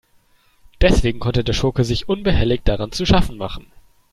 Deswegen konnte der Schurke sich unbehelligt daran zu schaffen machen.